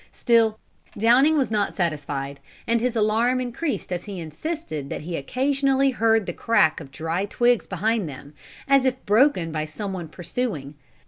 Still Downing was not satisfied, and his alarm increased as he insisted that he occasionally heard the crack of dry twigs behind them, as if broken by some one pursueing.